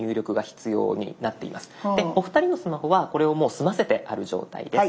お二人のスマホはこれをもう済ませてある状態です。